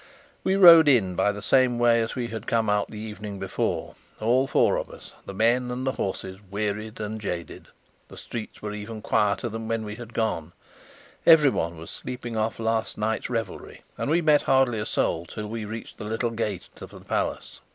We rode in by the same way as we had come out the evening before, all four of us the men and the horses wearied and jaded. The streets were even quieter than when we had gone: everyone was sleeping off last night's revelry, and we met hardly a soul till we reached the little gate of the Palace.